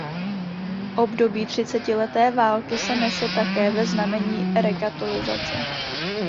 Období třicetileté války se nese také ve znamení rekatolizace.